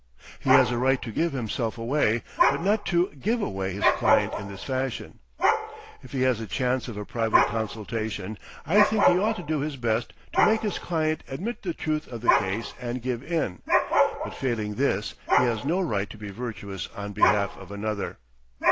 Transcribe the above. He has a right to "give himself away," but not to "give away" his client in this fashion. If he has a chance of a private consultation I think he ought to do his best to make his client admit the truth of the case and give in, but failing this he has no right to be virtuous on behalf of another.